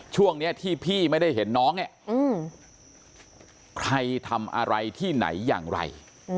ช่วงนี้ที่พี่ไม่ได้เห็นน้องเนี่ยใครทำอะไรที่ไหนอย่างไร